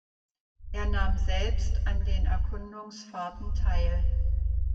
Er nahm selbst an den Erkundungsfahrten teil.